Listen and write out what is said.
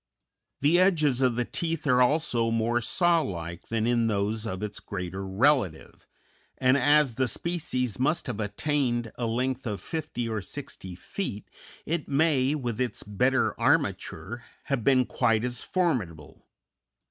The edges of the teeth are also more saw like than in those of its greater relative, and as the species must have attained a length of fifty or sixty feet it may, with its better armature, have been quite as formidable.